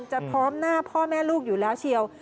พร้อมหน้าพ่อแม่ลูกอยู่แล้วเชียว